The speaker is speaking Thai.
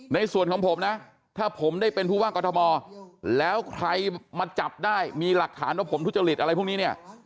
ในส่วนของผมนะถ้าผมได้เป็นผู้ว่ากอทมแล้วใครมาจับได้มีหลักฐานว่าผมทุจริตอะไรพวกนี้เนี่ย